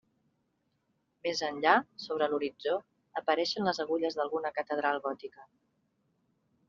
Més enllà, sobre l'horitzó, apareixen les agulles d'alguna catedral gòtica.